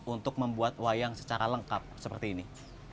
untuk membuatwayang secara lengkap seperti ini